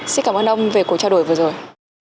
xin cảm ơn ông về cuộc trao đổi vừa rồi